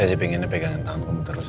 saya sih pingin pegangan tangan kamu terus